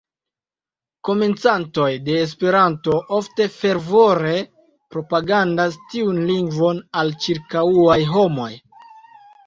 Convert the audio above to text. Komencantoj de Esperanto ofte fervore propagandas tiun lingvon al ĉirkaŭaj homoj.